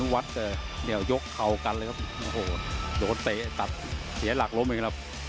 หมดยกที่สอง